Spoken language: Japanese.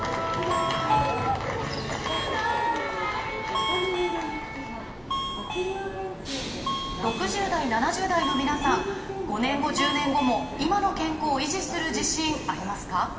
『ＹＥＬＬ』６０代７０代の皆さん５年後１０年後も今の健康維持する自信ありますか？